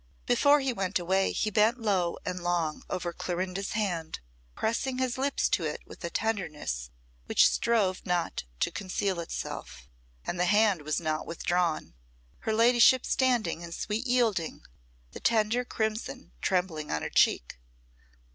Before he went away he bent low and long over Clorinda's hand, pressing his lips to it with a tenderness which strove not to conceal itself. And the hand was not withdrawn, her ladyship standing in sweet yielding, the tender crimson trembling on her cheek.